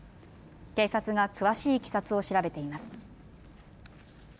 警察が詳しいいきさつを調べています。